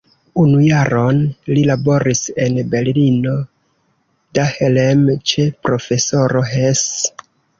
Unu jaron li laboris en Berlino-Dahlem ĉe profesoro Hess.